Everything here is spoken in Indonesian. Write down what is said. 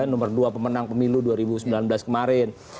nomor dua pemenang pemilu dua ribu sembilan belas kemarin